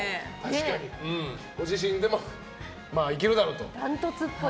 ご自身でもいけるだろうと？